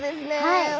はい！